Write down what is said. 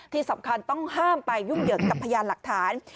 ที่สำคัญต้องห้ามไปยุ่งเหยิงกับพยานหลักฐาน